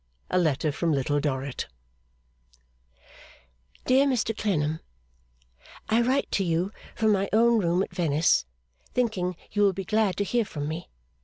A Letter from Little Dorrit Dear Mr Clennam, I write to you from my own room at Venice, thinking you will be glad to hear from me.